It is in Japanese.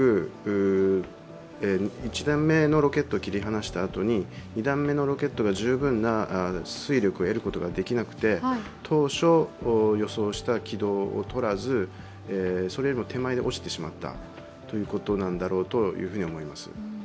今回は恐らく、１段目のロケットを切り離したあとに２段目のロケットが十分な推力を得ることができなくて当初、予想した軌道をとらずそれよりも手前で落ちてしまったということなんだろうと思います。